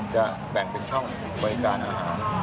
จะแบ่งเป็นช่องบริการอาหาร